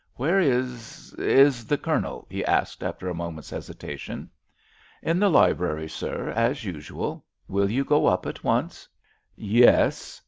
"Where is—is the Colonel?" he asked after a moment's hesitation. "In the library, sir, as usual. Will you go up at once?" "Yes."